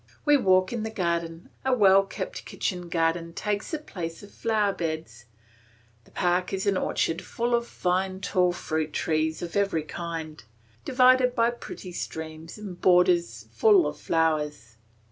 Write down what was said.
We walk in the garden; a well kept kitchen garden takes the place of flower beds, the park is an orchard full of fine tall fruit trees of every kind, divided by pretty streams and borders full of flowers.